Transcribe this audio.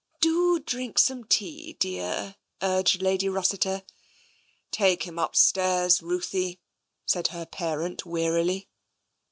Do drink some tea, dear," urged Lady Rossiter. Take him upstairs, Ruthie," said her parent wearily.